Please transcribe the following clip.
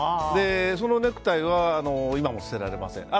そのネクタイは今も捨てられません。